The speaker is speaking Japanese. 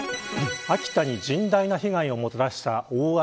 秋田に甚大な被害をもたらした大雨。